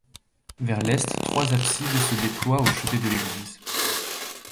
Vers l’est trois absides se déploient au chevet de l’église.